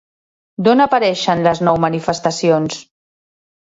D'on apareixen les nou manifestacions?